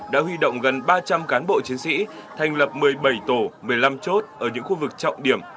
đã huy động gần ba trăm linh cán bộ chiến sĩ thành lập một mươi bảy tổ một mươi năm chốt ở những khu vực trọng điểm